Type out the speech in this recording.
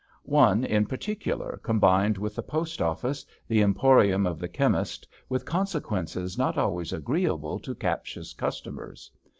One in particular combined with the Post office, the emporium of the chemist, with conse quences not always agreeable to captious customers.